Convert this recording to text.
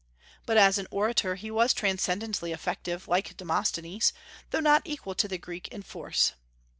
But as an orator he was transcendently effective, like Demosthenes, though not equal to the Greek in force.